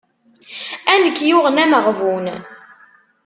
A nekk yuɣen ameɣbun.